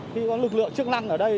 khi có lực lượng chức năng ở đây